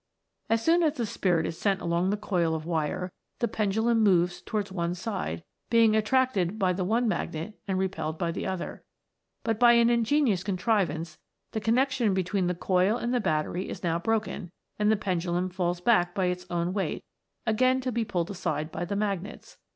As soon as the Spirit is sent along the coil of wire, the pendulum moves towards one side, being attracted by the one magnet and repelled by the other ; but by an ingenious contrivance the connex ion between the coil and the battery is now broken, and the pendulum falls back by its own weight, again to be pulled aside by the magnets.